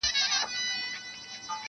• چی له ظلمه دي خلاص کړی یمه خوره یې -